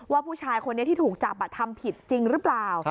ว่าผู้ชายคนนี้ที่ถูกจับทำผิดจริงหรือเปล่า